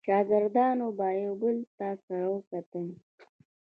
شاګردانو به یو بل ته سره وکتل.